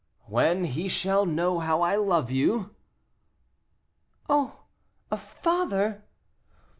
"When he shall know how I love you?" "Oh! a father!"